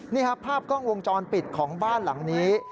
นี่ครับภาพกล้องวงจรปิดของบ้านหลังนี้